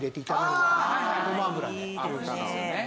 いいですね。